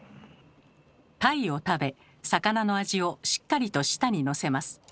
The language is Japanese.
たいを食べ魚の味をしっかりと舌にのせます。